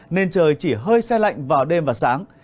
nên trời chỉ hơi xe lạnh vào đêm và sáng